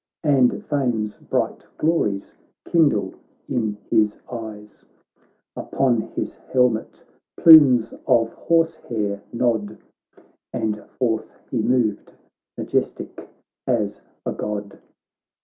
And fame's bright glories kindle in his eyes ; Upon his helmet plumes of horse hair nod. And forth he moved, majestic as a God